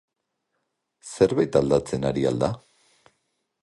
Zerbait aldatzen ari al da?